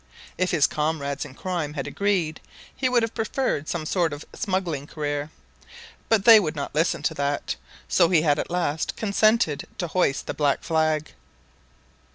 If his comrades in crime had agreed, he would have preferred some sort of smuggling career; but they would not listen to that, so he had at last consented to hoist the black flag.